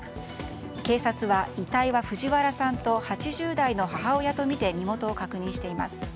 警察は、遺体は藤原さんと８０代の母親とみて身元を確認しています。